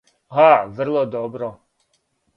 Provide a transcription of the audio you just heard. А, врло добро.